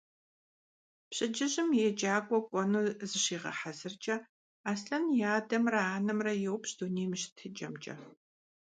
Пщэдджыжьым еджакӀуэ кӀуэну зыщигъэхьэзыркӀэ, Аслъэн и адэмрэ анэмрэ йоупщӀ дунейм и щытыкӀэмкӀэ.